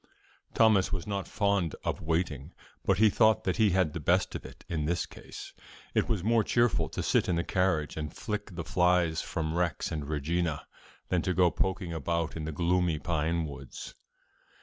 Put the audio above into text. Thomas was not fond of waiting, but he thought that he had the best of it in this case: it was more cheerful to sit in the carriage and "flick" the flies from Rex and Regina than to go poking about in the gloomy pine woods.